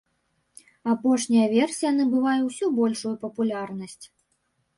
Апошняя версія набывае ўсё большую папулярнасць.